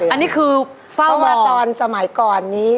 อันนี้คือเฝ้าบอกเพราะว่าตอนสมัยก่อนนี้